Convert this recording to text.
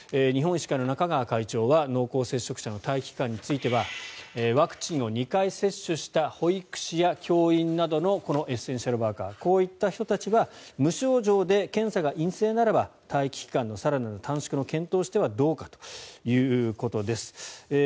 日本医師会の中川会長は濃厚接触者の待機期間についてはワクチンを２回接種した保育士や教員などのエッセンシャルワーカーこういった人たちは無症状で検査が陰性ならば待機期間の更なる短縮の検討をしてはどうかということです。